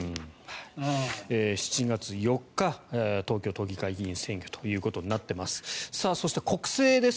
７月４日東京都議会議員選挙となっています。